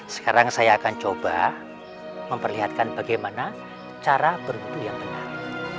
sekarang saya akan coba memperlihatkan bagaimana cara berbudu yang benar